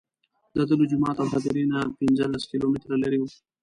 دده له جومات او هدیرې نه پنځه لس کیلومتره لرې وه.